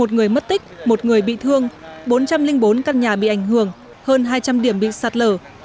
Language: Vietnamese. một người mất tích một người bị thương bốn trăm linh bốn căn nhà bị ảnh hưởng hơn hai trăm linh điểm bị sạt lở